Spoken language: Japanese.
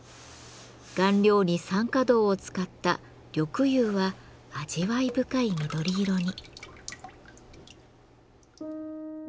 顔料に酸化銅を使った「緑釉」は味わい深い緑色に。